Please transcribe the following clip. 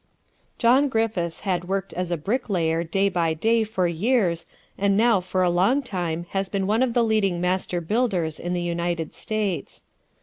John Griffiths had worked as a bricklayer day by day for years, and now for a long time he has been one of the leading master builders in the United States.